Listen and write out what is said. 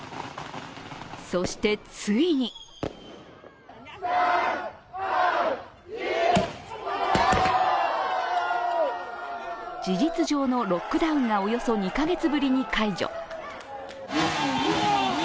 そして、ついに事実上のロックダウンがおよそ２カ月ぶりに解除。